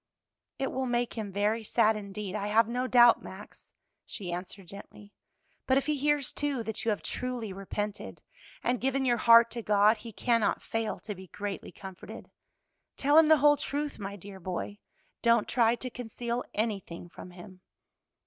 "It will make him very sad indeed, I have no doubt, Max," she answered, gently, "but if he hears, too, that you have truly repented and given your heart to God, he cannot fail to be greatly comforted. Tell him the whole truth, my dear boy, don't try to conceal anything from him."